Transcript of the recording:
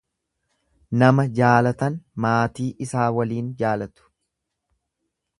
Nama jaalatan maatii isaa waliin jaalatu.